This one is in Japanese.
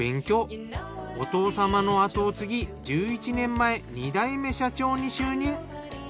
お父様の跡を継ぎ１１年前２代目社長に就任。